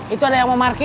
itu ada yang mau markir